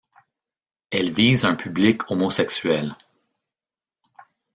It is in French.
Elle vise un public homosexuel.